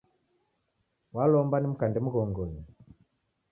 Walomba nimkande mghongonyi